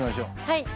はい。